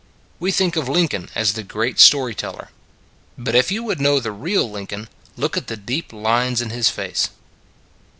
We think of Lincoln as the great story teller. But if you would know the real Lincoln, look at the deep lines in his face.